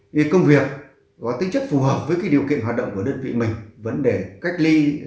với máu chảy khói lửa loạn ly